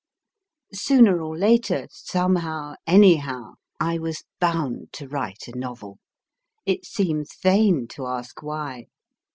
Sooner or later, somehow, anyhow, I was bound to write a novel. It seems vain to ask why.